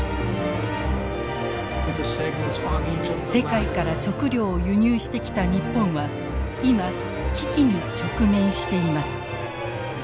世界から食料を輸入してきた日本は今危機に直面しています。